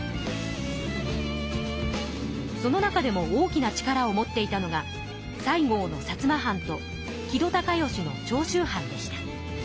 その中でも大きな力を持っていたのが西郷の薩摩藩と木戸孝允の長州藩でした。